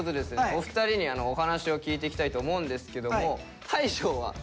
お二人にお話を聞いていきたいと思うんですけども大昇はどうですか？